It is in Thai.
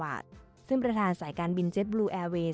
และการบริการผู้โดยสาร๑๒๗๕ราย